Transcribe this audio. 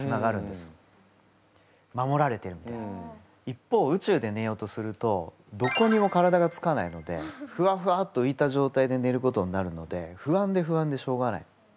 一方宇宙でねようとするとどこにも体がつかないのでフワフワッとういた状態でねることになるので不安で不安でしょうがない。